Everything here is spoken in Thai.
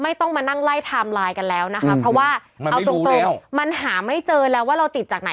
ไม่ต้องมานั่งไล่ไทม์ไลน์กันแล้วนะคะเพราะว่าเอาตรงมันหาไม่เจอแล้วว่าเราติดจากไหน